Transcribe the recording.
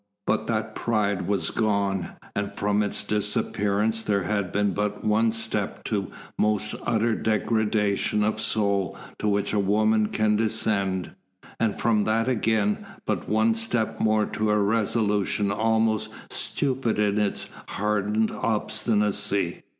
But that pride was gone, and from its disappearance there had been but one step to the most utter degradation of soul to which a woman can descend, and from that again but one step more to a resolution almost stupid in its hardened obstinacy.